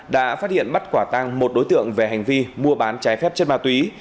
đã phát hiện bắt quả tăng một đối tượng về hành vi mua bán trái phép chân bà túy